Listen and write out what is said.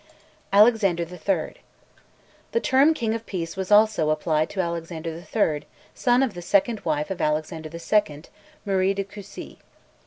ALEXANDER III. The term King of Peace was also applied to Alexander III., son of the second wife of Alexander II., Marie de Coucy.